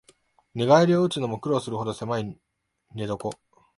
寝返りうつのも苦労するほどせまい寝床